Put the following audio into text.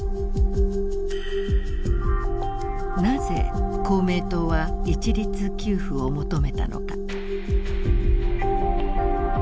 なぜ公明党は一律給付を求めたのか。